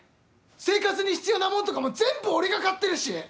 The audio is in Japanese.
生活に必要なものとかも全部俺が買ってるし！